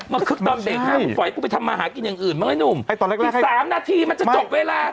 มันคึกตอนเบรค๔๒ไปทำมาหากินอย่างอื่นโน่ม๓๔ราทีมันจะจบเวลา